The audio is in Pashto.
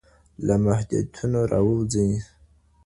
له محدودیتونو راووځئ.